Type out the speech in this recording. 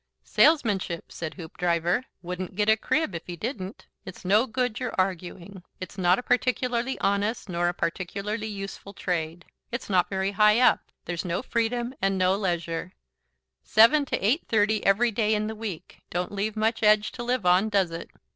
"Salesmanship," said Hoopdriver. "Wouldn't get a crib if he didn't. It's no good your arguing. It's not a particularly honest nor a particularly useful trade; it's not very high up; there's no freedom and no leisure seven to eight thirty every day in the week; don't leave much edge to live on, does it?